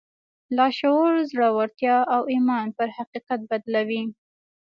لاشعور زړورتيا او ايمان پر حقيقت بدلوي.